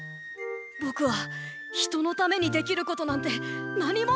ぼくはひとのためにできることなんてなにもないんだ！